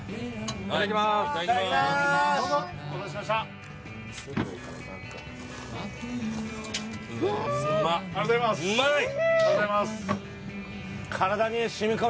いただきます。